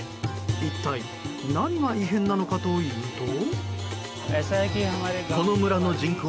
一体何が異変なのかというと。